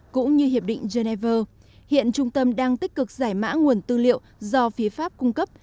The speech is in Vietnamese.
cũng như hiệp định geneva hiện trung tâm đang tích cực giải mã nguồn tư liệu do phía pháp cung cấp